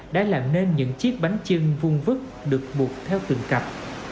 cho nên những chiếc bánh chưng vung vứt được buộc theo từng cặp